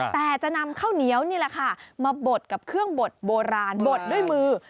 แต่จะนำข้าวเหนียวนี่แหละค่ะมาบดกับเครื่องบดโบราณบดด้วยมือ